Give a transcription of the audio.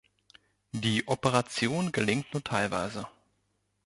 Die Operation gelingt nur teilweise.